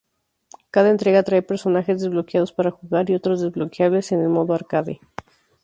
Cada entrega trae personajes desbloqueados para jugar, y otros desbloqueables en el modo Arcade.